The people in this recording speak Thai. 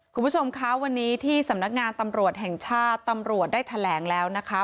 คุณผู้ชมคะวันนี้ที่สำนักงานตำรวจแห่งชาติตำรวจได้แถลงแล้วนะคะ